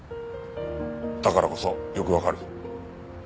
だからこそよくわかる。